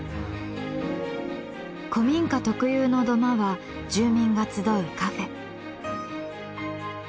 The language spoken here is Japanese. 古民家特有の土間は住民が集うカフェ。